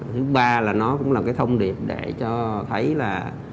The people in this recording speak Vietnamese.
thứ ba là nó cũng là cái thông điệp để cho thấy là